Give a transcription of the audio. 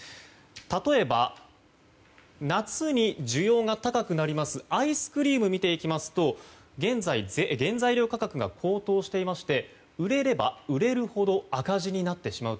例えば、夏に需要が高くなりますアイスクリームを見ていきますと原材料価格が高騰していまして売れれば売れるほど赤字になってしまう。